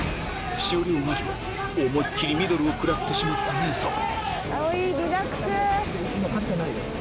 終了間際思いっ切りミドルを食らってしまった姉さん